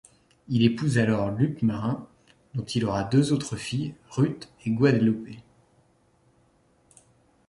Il épouse alors Lupe Marin, dont il aura deux autres filles, Ruth et Guadelupe.